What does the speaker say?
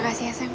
makasih ya sam